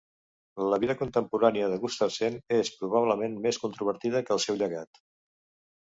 La vida contemporània de Gustavsen és, probablement, més controvertida que el seu llegat.